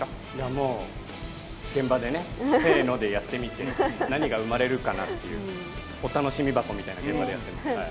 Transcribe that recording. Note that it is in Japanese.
もう現場で、せーのでやってみて何が生まれるかなというお楽しみ箱みたいな現場でやっています。